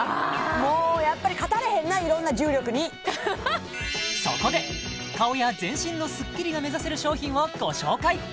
もうやっぱり勝たれへんないろんな重力にそこで顔や全身のスッキリが目指せる商品をご紹介